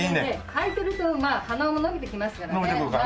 履いてると鼻緒も伸びてきますからね。